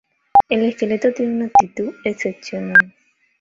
El esqueleto tiene una actitud excepcional.